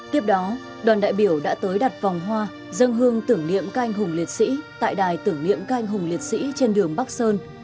tiếp đó đoàn đại biểu đã tới đặt vòng hoa dâng hương tưởng niệm canh hùng liệt sĩ tại đài tưởng niệm canh hùng liệt sĩ trên đường bắc sơn